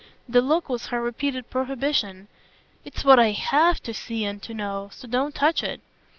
The look was her repeated prohibition: "It's what I HAVE to see and to know so don't touch it.